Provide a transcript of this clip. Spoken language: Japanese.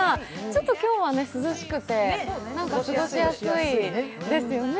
ちょっと今日は涼しくて過ごしやすいですよね。